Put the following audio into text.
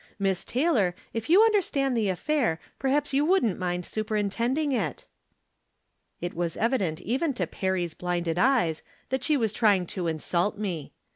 Miss Tay lor, if you understand the affair, perhaps you wouldn't mind superintending it." It was evident even to Perry's blinded eyes that she was trying to insult me.